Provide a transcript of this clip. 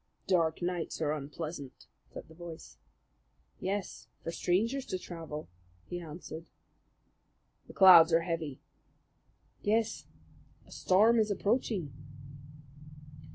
"Dark nights are unpleasant," said the voice. "Yes, for strangers to travel," he answered. "The clouds are heavy." "Yes, a storm is approaching."